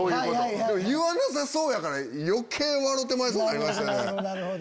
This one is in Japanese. でも言わなさそうやから余計笑うてまいそうになりましたね。